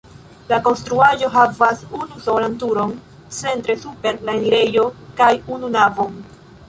La konstruaĵo havas unusolan turon centre super la enirejo kaj unu navon.